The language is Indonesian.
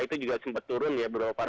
itu juga sempat turun ya beberapa